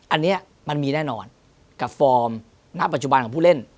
อันนี้มันมีแน่นอนกับฟอร์มณปัจจุบันของผู้เล่น